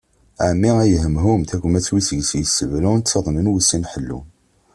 Ɛemmi ay hemhum, tagmat wi seg-s yessebrun, ttaḍnen wussan ḥellun.